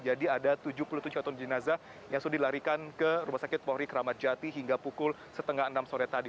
jadi ada tujuh puluh tujuh kantong jenazah yang sudah dilarikan ke rumah sakit polri kramadjati hingga pukul setengah enam sore tadi